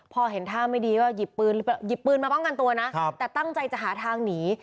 พอเห็นท่าไม่ดีก็หยิบปืนหยิบปืนมาป้องกันตัวนะแต่ตั้งใจจะหาทางหนี